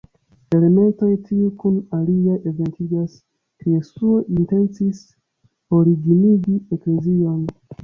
Elementoj tiuj kun aliaj evidentigas ke Jesuo intencis originigi eklezion.